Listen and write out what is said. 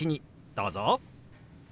どうぞ。